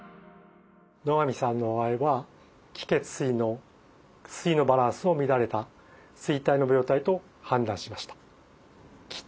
野上さんの場合は「気・血・水」の「水」のバランスの乱れた「水滞」の病態と判断しました。